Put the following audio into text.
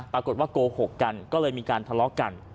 ปรากฏว่าโกหกกันก็เลยมีการทะเลาะกัน